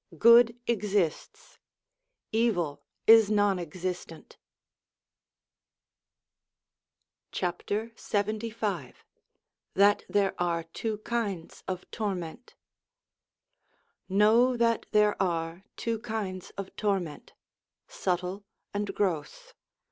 Good exists, evil is non existent. LXXV THAT THERE ARE TWO KINDS OF TORMENT KNOW that there are two kinds of torment: subtile and gross.